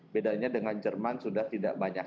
bedanya dengan jerman sudah tidak banyak